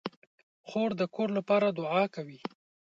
خور د کور لپاره دعا کوي.